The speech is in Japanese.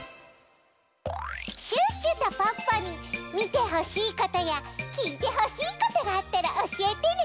シュッシュとポッポにみてほしいことやきいてほしいことがあったらおしえてね！